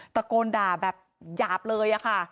ตะโกนด่าแบบหยาบเลยค่ะ